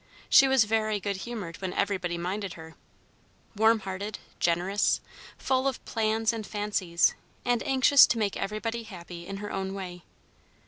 She was very good humored when everybody minded her, warm hearted, generous, full of plans and fancies, and anxious to make everybody happy in her own way.